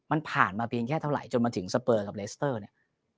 มันผ่านมาเพียงแค่เท่าไหร่จนมาถึงสเปอร์กับเลสเตอร์เนี่ย